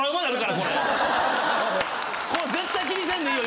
絶対気にせんでいいよ！